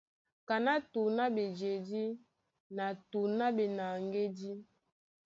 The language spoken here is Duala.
Kaná tǔŋ á ɓejedí na tǔŋ á ɓenaŋgédí.